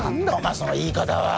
その言い方は！